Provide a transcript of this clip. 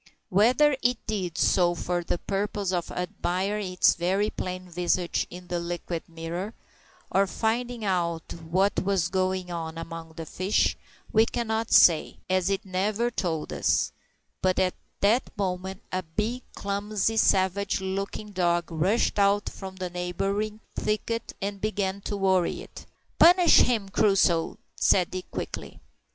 Whether it did so for the purpose of admiring its very plain visage in the liquid mirror, or finding out what was going on among the fish, we cannot say, as it never told us; but at that moment a big, clumsy, savage looking dog rushed out from the neighbouring thicket and began to worry it. "Punish him, Crusoe," said Dick quickly.